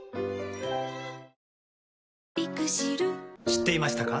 知っていましたか？